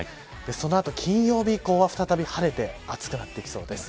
その後、金曜日以降は再び晴れて暑くなっていきそうです。